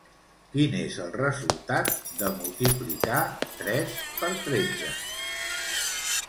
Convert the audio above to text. Quin és el resultat de multiplicar tres per tretze?